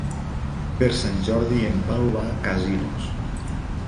Per Sant Jordi en Pau va a Casinos.